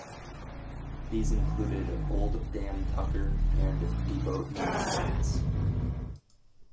These included "Old Dan Tucker" and "De Boatman's Dance".